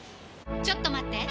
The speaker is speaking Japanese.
ちょっと待って！